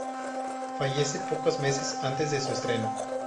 Fallece pocos meses antes de su estreno.